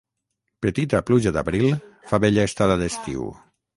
Petita pluja d'abril fa bella estada d'estiu.